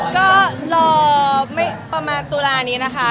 ก็รอประมาณตุลานี้นะคะ